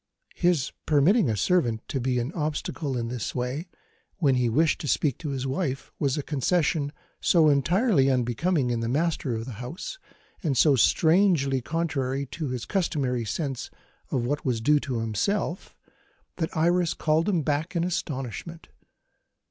His permitting a servant to be an obstacle in his way, when he wished to speak to his wife, was a concession so entirely unbecoming in the master of the house, and so strangely contrary to his customary sense of what was due to himself, that Iris called him back in astonishment.